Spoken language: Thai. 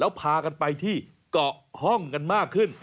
แล้วพากันไปที่เกาะห้องกันมากขึ้น